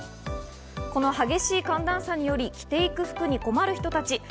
この激しい寒暖差により着ていく服に困る人たち。